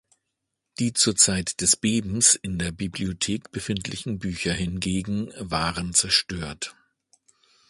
Die zur Zeit des Bebens in der Bibliothek befindlichen Bücher hingegen waren zerstört.